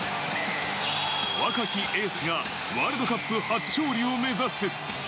若きエースがワールドカップ初勝利を目指す。